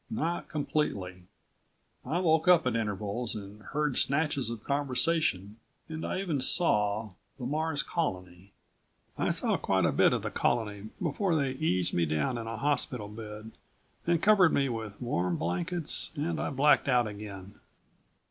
Not completely. I woke up at intervals and heard snatches of conversation and I even saw the Mars Colony. I saw quite a bit of the Colony before they eased me down in a hospital bed, and covered me with warm blankets and I blacked out again.